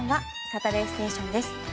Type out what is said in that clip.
「サタデーステーション」です。